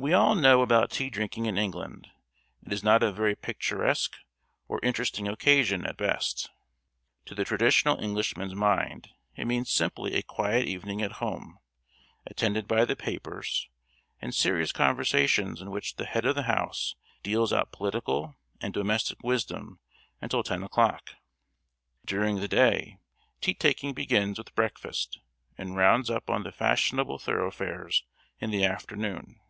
We all know about tea drinking in England. It is not a very picturesque or interesting occasion, at best. To the traditional Englishman's mind it means simply a quiet evening at home, attended by the papers, and serious conversations in which the head of the house deals out political and domestic wisdom until ten o'clock. During the day, tea taking begins with breakfast and rounds up on the fashionable thoroughfares in the afternoon.